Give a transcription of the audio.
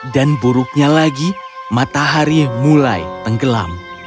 dan buruknya lagi matahari mulai tenggelam